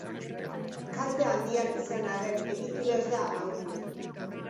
Kalte handiak izan arren, egitura ez da ahuldu.